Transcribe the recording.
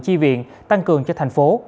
chi viện tăng cường cho thành phố